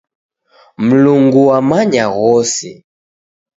Mlungu wamanya ghose.